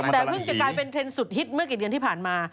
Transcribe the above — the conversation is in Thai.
แต่เพิ่งจะกลายเป็นเทรนด์สุดฮิตเมื่อกี่เดือนที่ผ่านมา